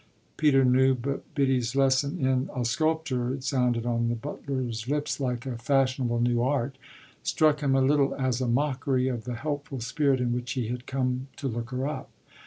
Peter knew, but Biddy's lesson in "a sculpture" it sounded on the butler's lips like a fashionable new art struck him a little as a mockery of the helpful spirit in which he had come to look her up.